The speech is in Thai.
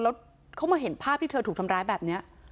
แล้วเขามาเห็นภาพที่เธอถูกทำร้ายแบบนี้